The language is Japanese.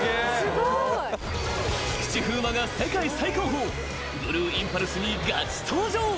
菊池風磨が世界最高峰ブルーインパルスにガチ搭乗！